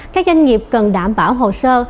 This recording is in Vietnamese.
các doanh nghiệp cần đảm bảo hồ sơ